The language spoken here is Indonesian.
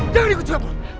jangan ikut aku